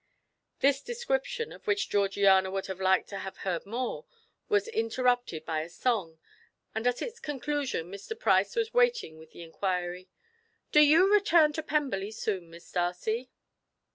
This description, of which Georgiana would have liked to have heard more, was interrupted by a song, and at its conclusion Mr. Price was waiting with the inquiry: "Do you return to Pemberley soon, Miss Darcy?"